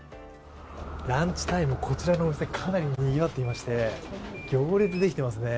ランチタイム、こちらのお店、かなりにぎわってまして行列できてますね。